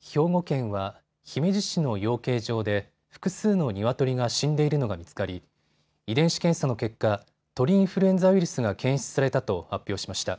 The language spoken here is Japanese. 兵庫県は姫路市の養鶏場で複数のニワトリが死んでいるのが見つかり遺伝子検査の結果、鳥インフルエンザウイルスが検出されたと発表しました。